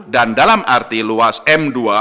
dan dalam arti luas m dua